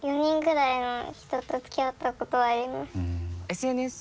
ＳＮＳ？